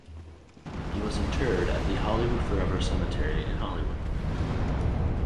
He was interred at the Hollywood Forever Cemetery in Hollywood.